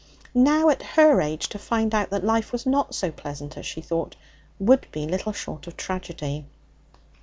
Now, at her age, to find out that life was not so pleasant as she thought would be little short of tragedy.